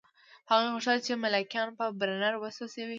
هغوی غوښتل چې ملکیان په برنر وسوځوي